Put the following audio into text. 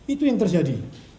itu yang terjadi